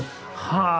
はあ。